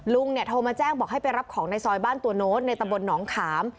ลุงเนี่ยโทรมาแจ้งบอกให้ไปรับของในซอยบ้านตัวโน้ตในตำบลหนองขาม